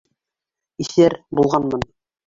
Иҫәр булғанмын!